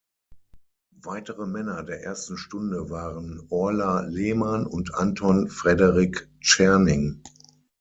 Weitere Männer der ersten Stunde waren Orla Lehmann und Anton Frederik Tscherning.